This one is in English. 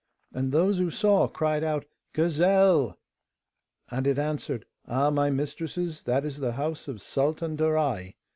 And those who saw cried out, 'Gazelle!' And it answered, 'Ah, my mistresses, that is the house of Sultan Darai.